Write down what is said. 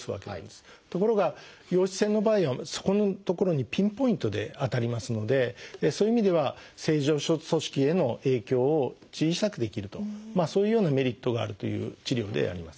ところが陽子線の場合はそこの所にピンポイントで当たりますのでそういう意味では正常組織への影響を小さくできるとそういうようなメリットがあるという治療であります。